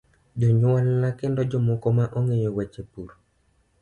Jonyuolna kendo jomoko ma ong'eyo weche pur.